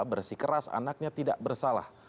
bersih keras anaknya tidak bersalah